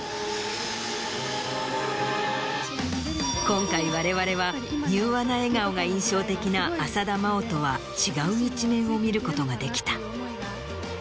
今回われわれは柔和な笑顔が印象的な浅田真央とは違う一面を見ることができた。